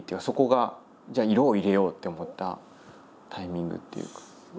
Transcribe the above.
そこがじゃあ色を入れようって思ったタイミングっていうか。